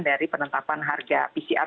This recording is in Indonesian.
dari penetapan harga pcr